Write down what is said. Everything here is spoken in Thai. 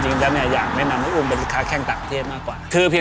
จริงจ้ะเนี่ยอยากแนะนำให้อุ่มเป็นการแข้งต่างทศมากกว่า